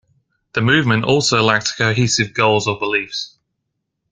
The movement also lacked cohesive goals or beliefs.